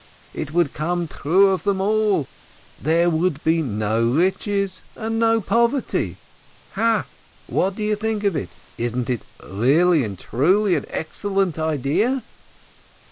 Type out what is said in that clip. It would come true of them all, there would be no riches and no poverty. Ha? What do you think of it?. Isn't it really and truly an excellent idea?"